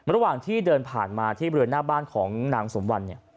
ระหว่างที่เดินผ่านมาที่บริเวณหน้าบ้านของนางสมวันเนี่ย